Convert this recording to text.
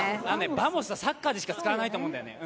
バモスはサッカーでしか使わないんだよね。